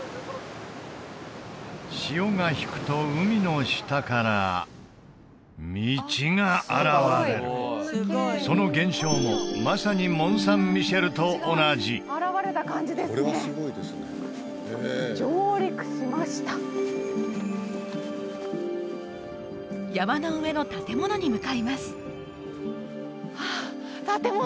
潮が引くと海の下から道が現れるその現象もまさにモン・サン・ミシェルと同じ山の上の建物に向かいます